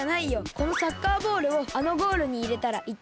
このサッカーボールをあのゴールにいれたら１てん。